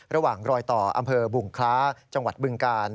ระหว่างรอยต่ออำเภอบุงคล้าจังหวัดบึงกาล